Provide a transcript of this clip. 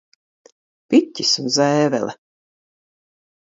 Piķis un zēvele